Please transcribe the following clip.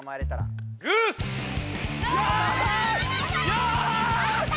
よし！